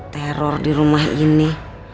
teror di rumah ini